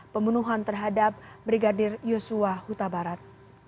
pembunuhan terhadap brigadir yosua huta barat